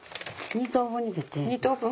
２等分。